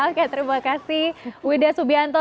oke terima kasih wida subianto